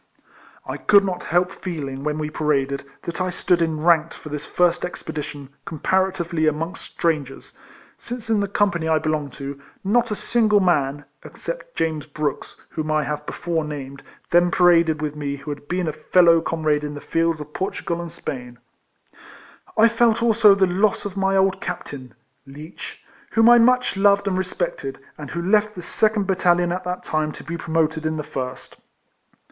I could not help feeling, when we paraded, that I stood enranked for this first expedition comparatively amongst strangers, since in the company I belonged to, not a single man, except James Brooks, 252 RECOLLECTIONS OF whom I have before named, then paraded with me who had been a fellow comrade in the fields of Portugal and Spain. I felt also the loss of my old Captain (Leech), whom I much loved and respected, and who left the second battalion at that time to be promoted in the first.